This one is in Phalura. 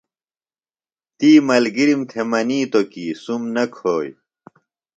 تی ملگِرِم تھےۡ منِیتوۡ کی سُم نہ کھوئی۔